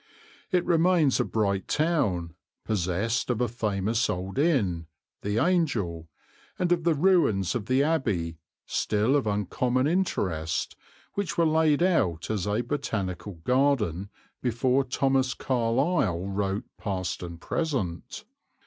It remains a bright town, possessed of a famous old inn, "The Angel," and of the ruins of the abbey, still of uncommon interest, which were laid out as a botanical garden before Thomas Carlyle wrote Past and Present.